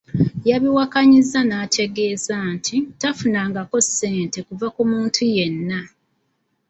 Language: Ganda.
Yabiwakanyizza n'ategeeza nti tafunangako ssente kuva ku muntu yenna.